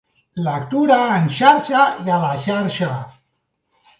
Lectura en xarxa i a la xarxa.